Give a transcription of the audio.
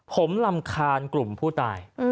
ผมรำคาญกลุ่มผู้ตาย